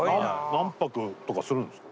何泊とかするんすか？